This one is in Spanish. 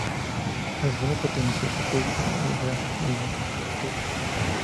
A la segunda perteneció Pompeyo el Grande, el más conocido de todos.